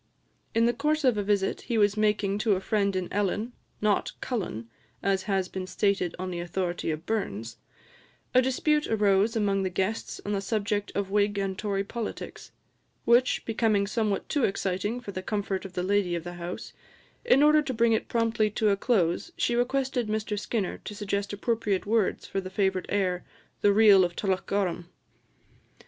In the course of a visit he was making to a friend in Ellon (not Cullen, as has been stated on the authority of Burns), a dispute arose among the guests on the subject of Whig and Tory politics, which, becoming somewhat too exciting for the comfort of the lady of the house, in order to bring it promptly to a close, she requested Mr Skinner to suggest appropriate words for the favourite air, "The Reel of Tullochgorum."